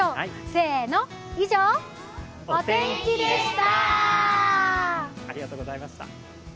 せーの、以上、お天気でした。